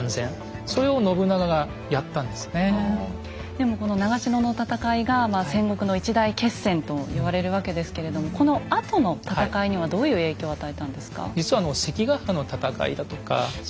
でもこの長篠の戦いが戦国の一大決戦と言われるわけですけれどもこのあとの戦いにはどういう影響を与えたんですか？